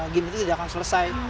game itu tidak akan selesai